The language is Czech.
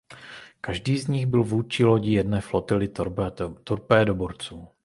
Každý z nich byl vůdčí lodí jedné flotily torpédoborců.